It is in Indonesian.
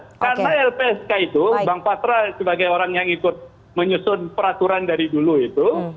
karena lpsk itu bang patra sebagai orang yang ikut menyusun peraturan dari dulu itu